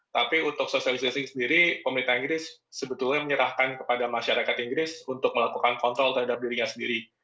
tapi untuk social distancing sendiri pemerintah inggris sebetulnya menyerahkan kepada masyarakat inggris untuk melakukan kontrol terhadap dirinya sendiri